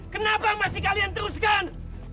kenapa masih kalian teruskan